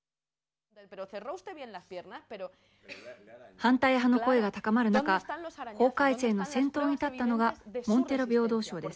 反対派の声が高まる中法改正の先頭に立ったのがモンテロ平等相です。